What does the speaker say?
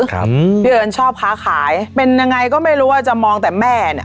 ครับพี่เอิญชอบค้าขายเป็นยังไงก็ไม่รู้ว่าจะมองแต่แม่เนี้ย